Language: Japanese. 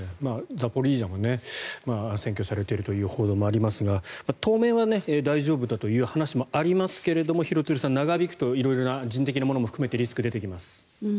ザポリージャも占拠されているという報道もありますが当面は大丈夫だという話もありますが、廣津留さん長引くと色々な人的なものも含めてリスクが出てきます。